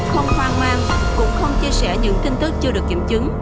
không hoang mang cũng không chia sẻ những tin tức chưa được kiểm chứng